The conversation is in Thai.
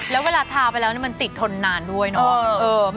แล้วเวลาทาไปแล้วมันติดทนนานด้วยเนาะ